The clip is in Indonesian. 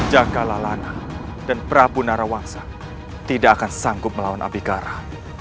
jaga lalana dan prabu narawangsa tidak akan sanggup melawan api kara